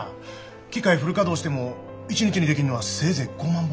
機械フル稼働しても一日に出来んのはせいぜい５万本。